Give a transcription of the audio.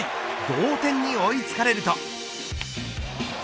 同点に追い付かれると。